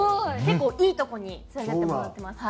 結構いいとこに連れてってもらってます。